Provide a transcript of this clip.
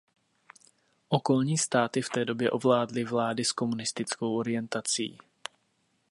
Okolní státy v té době ovládly vlády s komunistickou orientací.